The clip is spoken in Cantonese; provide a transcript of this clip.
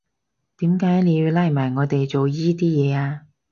點解你要拉埋我哋做依啲嘢呀？